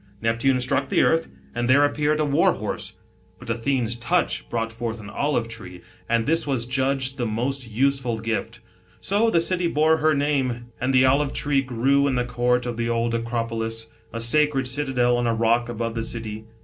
Neptune struck the earth, and there appeared a war horse ; but Athene's touch brought forth an olive tree, and this was judged the most useful gift. So the city bore her name, and the olive tree grew in the court of the old Acropolis, a sacred citadel on a rock above the city.